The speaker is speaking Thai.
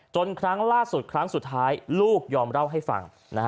ครั้งล่าสุดครั้งสุดท้ายลูกยอมเล่าให้ฟัง